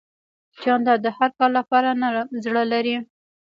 جانداد د هر کار لپاره نرم زړه لري.